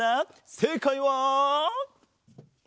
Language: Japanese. せいかいは。